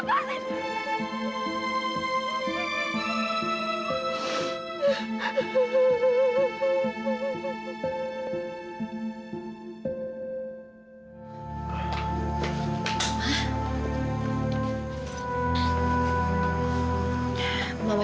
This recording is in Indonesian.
mama dari mana